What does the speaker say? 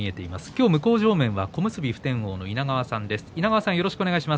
今日、向正面は小結普天王の稲川さんです。